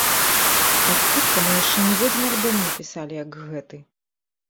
Так хутка мы яшчэ ніводзін альбом не пісалі, як гэты.